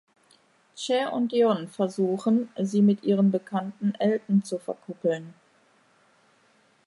Cher und Dionne versuchen, sie mit ihrem Bekannten Elton zu verkuppeln.